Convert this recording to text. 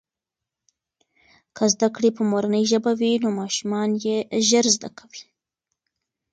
که زده کړې په مورنۍ ژبه وي نو ماشومان یې ژر زده کوي.